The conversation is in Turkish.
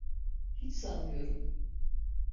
Hiç sanmıyorum.